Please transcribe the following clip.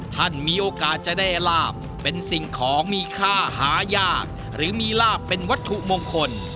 ท่านมีโอกาสจะได้ลาบเป็นสิ่งของมีค่าหายากหรือมีลาบเป็นวัตถุมงคล